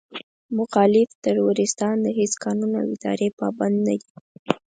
مخالف تروريستان د هېڅ قانون او ادارې پابند نه دي.